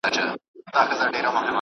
دا رنګ تر هغه بل ډېر تیاره دی.